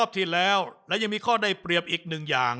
ที่แล้วและยังมีข้อได้เปรียบอีกหนึ่งอย่าง